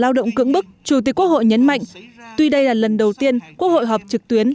trong lao động cưỡng bức chủ tịch quốc hội nhấn mạnh tuy đây là lần đầu tiên quốc hội họp trực tuyến